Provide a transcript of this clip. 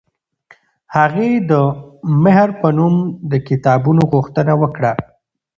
هغې د مهر په نوم د کتابونو غوښتنه وکړه.